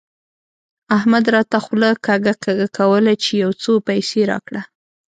احمد راته خوله کږه کږه کوله چې يو څو پيسې راکړه.